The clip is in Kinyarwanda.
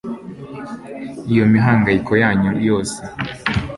iyo mihangayiko yanyu yose